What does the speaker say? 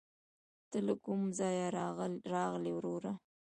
ته له کوم ځايه راغلې ؟ وروره